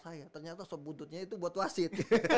saya ternyata sob buntutnya itu buat wasit